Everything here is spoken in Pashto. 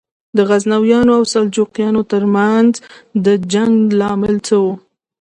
د غزنویانو او سلجوقیانو تر منځ د جنګ لامل څه و؟